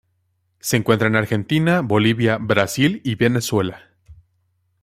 Se encuentra en Argentina, Bolivia, Brasil y Venezuela.